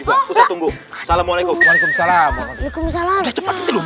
particles wasalamualaikum salam waalaikumsalam